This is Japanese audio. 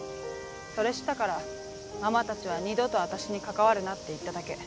それ知ったからママたちは二度と私に関わるなって言っただけ。